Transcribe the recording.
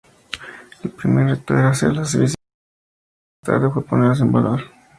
El primer reto era hacerlas visibles más tarde fue ponerlas en valor.